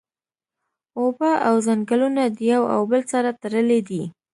اوبه او ځنګلونه د یو او بل سره تړلی دی